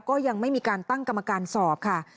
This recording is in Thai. ก็ยังไม่มีการตั้งกรรมการสอบค่ะ